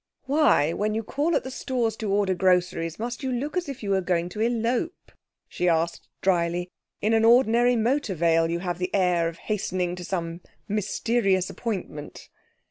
'Why, when you call at the Stores to order groceries, must you look as if you were going to elope?' she asked dryly. 'In an ordinary motorveil you have the air of hastening to some mysterious appointment.'